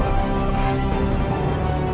aku akan menang